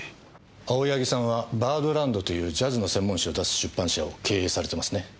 青柳さんは『バードランド』というジャズの専門誌を出す出版社を経営されてますね？